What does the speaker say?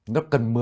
nó cần một mươi